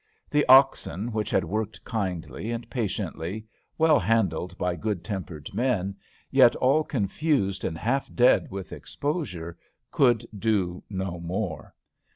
The oxen which had worked kindly and patiently, well handled by good tempered men, yet all confused and half dead with exposure, could do no more.